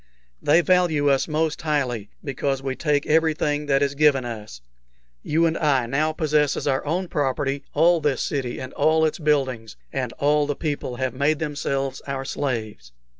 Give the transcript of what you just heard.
They value us most highly, because we take everything that is given us. You and I now possess as our own property all this city and all its buildings, and all the people have made themselves our slaves."